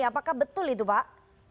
apakah betul itu pak